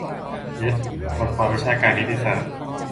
"เย็ด" บทความวิชาการนิติศาสตร์